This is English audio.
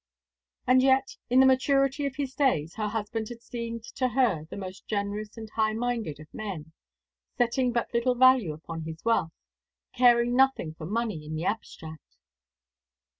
And yet, in the maturity of his days, her husband had seemed to her the most generous and high minded of men, setting but little value upon his wealth, caring nothing for money in the abstract.